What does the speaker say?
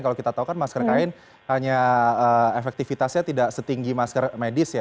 kalau kita tahu kan masker kain hanya efektivitasnya tidak setinggi masker medis ya